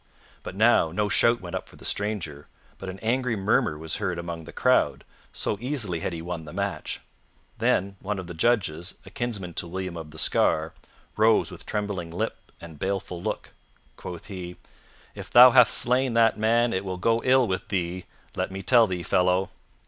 But now no shout went up for the stranger, but an angry murmur was heard among the crowd, so easily had he won the match. Then one of the judges, a kinsman to William of the Scar, rose with trembling lip and baleful look. Quoth he, "If thou hath slain that man it will go ill with thee, let me tell thee, fellow."